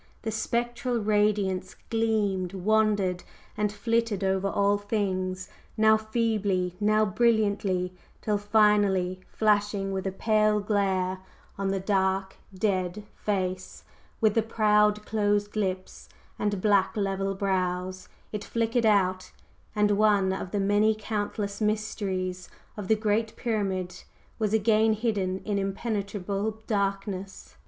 The spectral radiance gleamed, wandered and flitted over all things, now feebly, now brilliantly, till finally flashing with a pale glare on the dark dead face, with the proud closed lips and black level brows, it flickered out; and one of the many countless mysteries of the Great Pyramid was again hidden in impenetrable darkness.